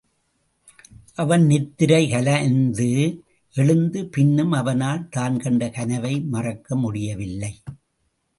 அவன் நித்திரை கலைந்து எழுந்த பின்னும் அவனால் தான் கண்ட கனவை மறக்க முடியவில்லை.